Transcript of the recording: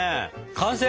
完成？